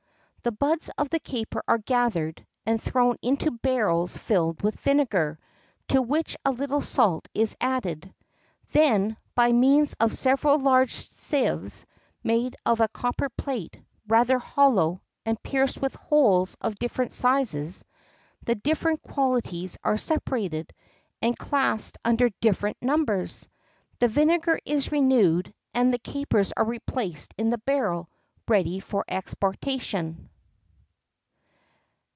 [X 47] The buds of the caper are gathered, and thrown into barrels filled with vinegar, to which a little salt is added; then, by means of several large sieves made of a copper plate, rather hollow, and pierced with holes of different sizes, the different qualities are separated, and classed under different numbers. The vinegar is renewed, and the capers are replaced in the barrel, ready for exportation.